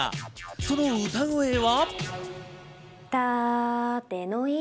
その歌声は。